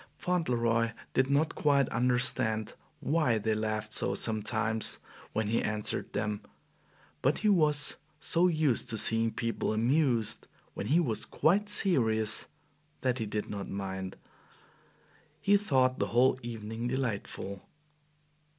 Fauntleroy did not quite understand why they laughed so sometimes when he answered them, but he was so used to seeing people amused when he was quite serious, that he did not mind. He thought the whole evening delightful.